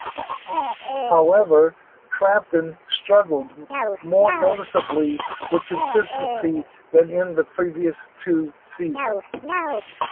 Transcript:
However, Crafton struggled more noticeably with consistency than in the previous two season.